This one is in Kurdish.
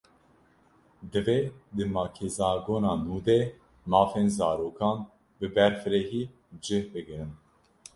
Divê di makezagona nû de mafên zarokan, bi berfirehî cih bigirin